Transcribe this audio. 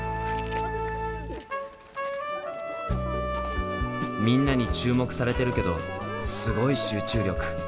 みんなに注目されてるけどすごい集中力。